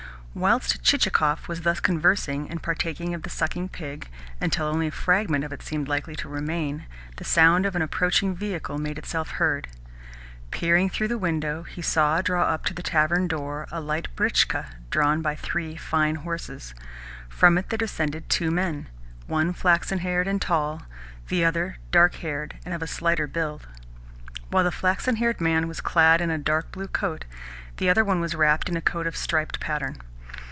Whilst Chichikov was thus conversing and partaking of the sucking pig until only a fragment of it seemed likely to remain, the sound of an approaching vehicle made itself heard. Peering through the window, he saw draw up to the tavern door a light britchka drawn by three fine horses. From it there descended two men one flaxen haired and tall, and the other dark haired and of slighter build. While the flaxen haired man was clad in a dark blue coat, the other one was wrapped in a coat of striped pattern.